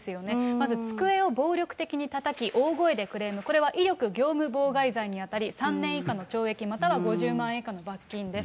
まず机を暴力的にたたき、大声でクレーム、これは威力業務妨害罪に当たり、３年以下の懲役または５０万円以下の罰金です。